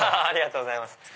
ありがとうございます。